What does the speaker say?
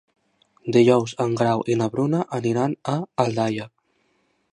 Dijous en Grau i na Bruna aniran a Aldaia.